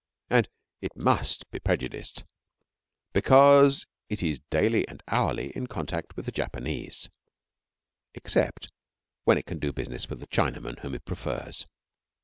And it must be prejudiced, because it is daily and hourly in contact with the Japanese, except when it can do business with the Chinaman whom it prefers.